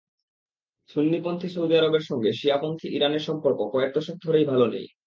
সুন্নিপন্থী Saudi আরবের সঙ্গে শিয়াপন্থী ইরানের সম্পর্ক কয়েক দশক ধরেই ভালো নেই।